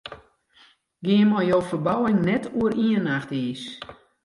Gean mei jo ferbouwing net oer ien nacht iis.